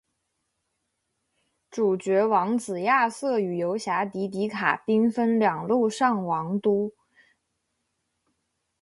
主角王子亚瑟与游侠迪迪卡兵分两路上王都。